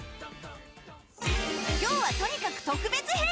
今日はとにかく特別編！